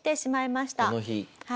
はい。